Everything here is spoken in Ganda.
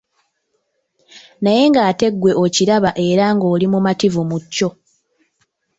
Naye ng'ate ggwe okiraba era ng'oli mumativu mu kyo.